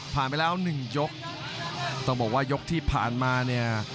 ไปแล้วหนึ่งยกต้องบอกว่ายกที่ผ่านมาเนี่ย